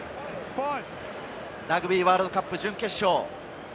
ラグビーワールドカップ準決勝。